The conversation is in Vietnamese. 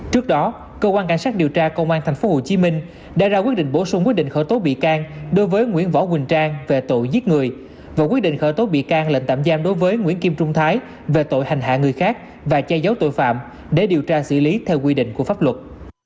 trước đó cơ quan cảnh sát điều tra công an tp hcm đã ra quyết định bổ sung quyết định khởi tố bị can đối với nguyễn võ quỳnh trang về tội giết người và quyết định khởi tố bị can lệnh tạm giam đối với nguyễn kim trung thái về tội hành hạ người khác và che giấu tội phạm để điều tra xử lý theo quy định của pháp luật